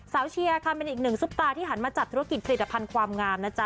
เชียร์ค่ะเป็นอีกหนึ่งซุปตาที่หันมาจัดธุรกิจผลิตภัณฑ์ความงามนะจ๊